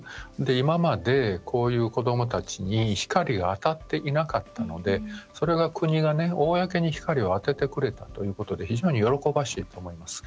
今まで、こういう子どもたちに光が当たっていなかったのでそれが国が、公に光を当ててくれたということで非常に喜ばしいと思います。